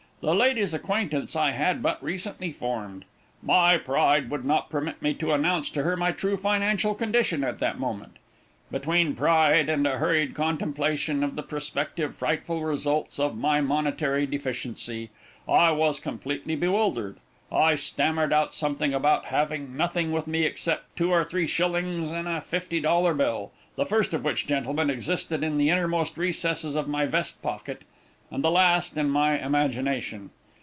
The lady's acquaintance I had but recently formed. My pride would not permit me to announce to her my true financial condition at that moment. Between pride and a hurried contemplation of the prospective frightful results of my monetary deficiency, I was completely bewildered. I stammered out something about having nothing with me except two or three shillings and a fifty dollar bill the first of which, gentlemen, existed in the innermost recesses of my vest pocket, and the last in my imagination.